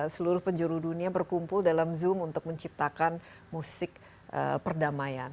seluruh penjuru dunia berkumpul dalam zoom untuk menciptakan musik perdamaian